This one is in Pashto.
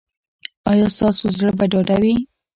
ایا ستاسو زړه به ډاډه وي؟